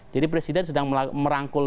jadi presiden sedang merangkul